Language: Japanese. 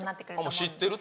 知ってると？